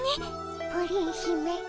プリン姫。